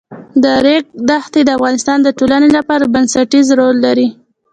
د ریګ دښتې د افغانستان د ټولنې لپاره بنسټيز رول لري.